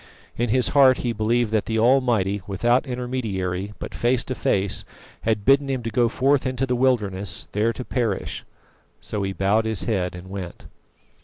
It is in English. In his heart he believed that the Almighty, without intermediary, but face to face, had bidden him to go forth into the wilderness there to perish. So he bowed his head and went.